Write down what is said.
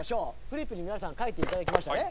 フリップに皆さん書いていただきましたね。